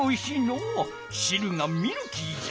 しるがミルキーじゃ。